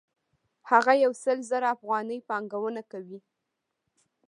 هغه یو سل زره افغانۍ پانګونه کوي